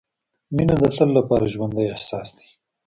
• مینه د تل لپاره ژوندی احساس دی.